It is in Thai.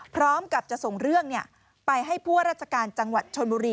พร้อมกับจะส่งเรื่องไปให้ผู้ว่าราชการจังหวัดชนบุรี